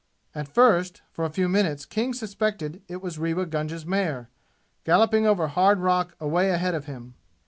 At first, for a few minutes King suspected it was Rewa Gunga's mare, galloping over hard rock away ahead of him.